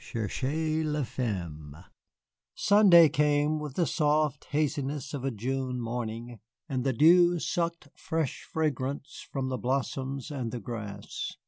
"CHERCHEZ LA FEMME" Sunday came with the soft haziness of a June morning, and the dew sucked a fresh fragrance from the blossoms and the grass.